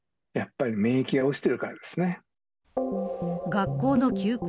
学校の休校